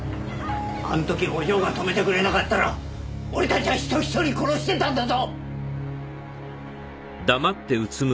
あん時お嬢が止めてくれなかったら俺たちは人一人殺してたんだぞ！